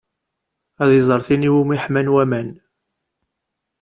Ad iẓer tin iwumi ḥman waman.